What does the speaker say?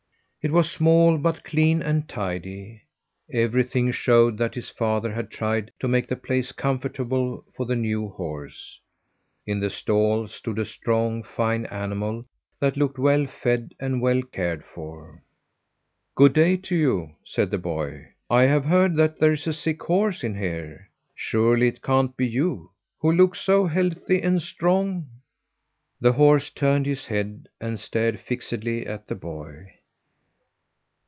It was small, but clean and tidy. Everything showed that his father had tried to make the place comfortable for the new horse. In the stall stood a strong, fine animal that looked well fed and well cared for. "Good day to you!" said the boy. "I have heard that there's a sick horse in here. Surely it can't be you, who look so healthy and strong." The horse turned his head and stared fixedly at the boy.